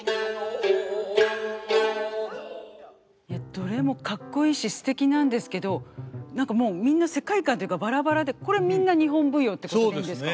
どれもかっこいいしすてきなんですけど何かもうみんな世界観というかバラバラでこれみんな日本舞踊ってことでいいんですか？